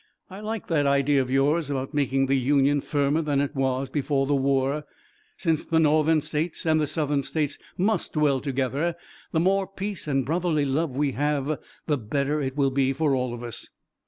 I like that idea of yours about making the Union firmer than it was before the war. Since the Northern States and the Southern States must dwell together the more peace and brotherly love we have the better it will be for all of us."